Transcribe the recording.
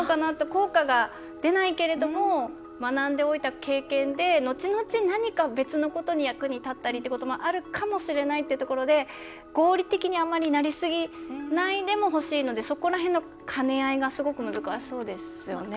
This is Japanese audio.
効果が出ないけれども学んでおいた経験でのちのち何か別のことに役に立ったりっていうところもあるかもしれないってところで合理的にあまりなりすぎないでもほしいのでそこら辺の兼ね合いがすごく難しそうですよね。